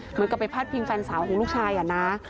เหมือนกับไปพาดพิงแฟนสาวของลูกชายอะนะ